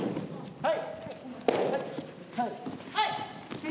はい！